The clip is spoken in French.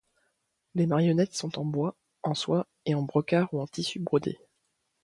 Les marionnettes sont en bois, en soie et en brocart ou en tissu brodé.